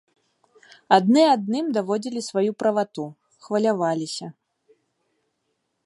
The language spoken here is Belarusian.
Адны адным даводзілі сваю правату, хваляваліся.